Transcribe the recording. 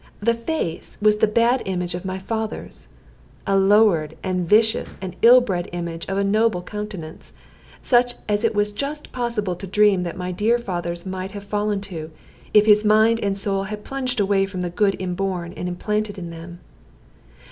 The face was the bad image of my father's. A lowered, and vicious, and ill bred image of a noble countenance such as it was just possible to dream that my dear father's might have fallen to, if his mind and soul had plunged away from the good inborn and implanted in them.